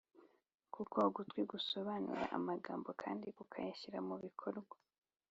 Kuko ugutwi gusobanura amagambo kandi kukayashyira mu bikorwa